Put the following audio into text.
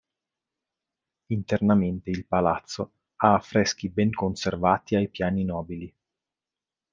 Internamente il palazzo ha affreschi ben conservati ai piani nobili.